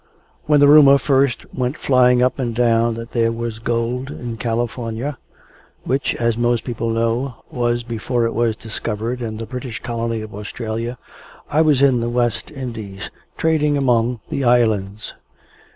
When the rumour first went flying up and down that there was gold in California which, as most people know, was before it was discovered in the British colony of Australia I was in the West Indies, trading among the Islands.